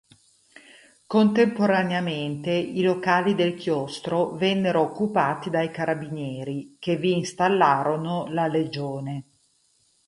Contemporaneamente i locali del chiostro vennero occupati dai carabinieri, che vi installarono la legione.